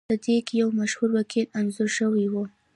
پدې کې یو مشهور وکیل انځور شوی و